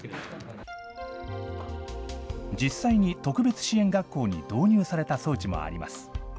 実際に特別支援学校に導入された装置もあります。